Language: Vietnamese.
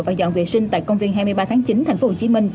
và dọn vệ sinh tại công viên hai mươi ba tháng chín tp hcm